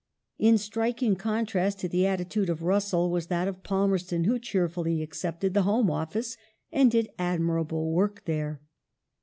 In striking contrast to the attitude of Russell was that of Palmerston who cheerfully accepted the Home Office and did ad mirable work there.